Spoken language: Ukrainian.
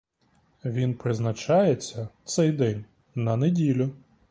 Він призначається, цей день, на неділю.